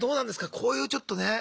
こういうちょっとね。